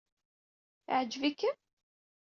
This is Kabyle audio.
Yeɛjeb-ikem?